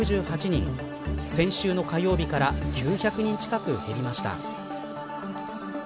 先週の火曜日から９００人近く減りました。